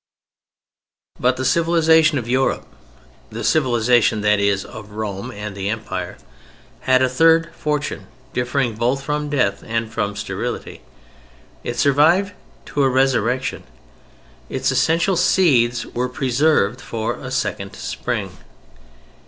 But the civilization of Europe—the civilization, that is, of Rome and of the Empire—had a third fortune differing both from death and from sterility: it survived to a resurrection. Its essential seeds were preserved for a Second Spring.